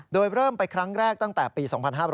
โดยเริ่มไปครั้งแรกตั้งแต่ปี๒๕๕๙